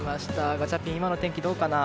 ガチャピン、今の天気どうかな？